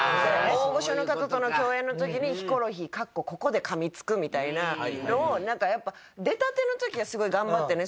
大御所の方と共演の時に「ヒコロヒー」みたいなのをやっぱ出たての時はすごい頑張ってね